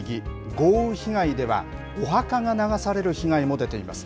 豪雨被害では、お墓が流される被害も出ています。